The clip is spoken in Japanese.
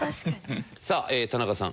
さあ田中さん。